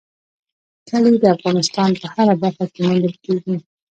کلي د افغانستان په هره برخه کې موندل کېږي.